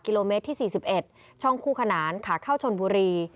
โลเมตรที่๔๑ช่องคู่ขนานขาเข้าชนบุรี